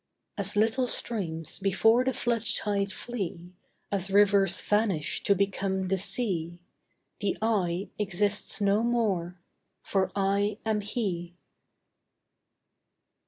As little streams before the flood tide flee, As rivers vanish to become the sea, The I exists no more, for I AM HE.